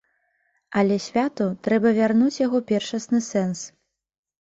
Але святу трэба вярнуць яго першасны сэнс.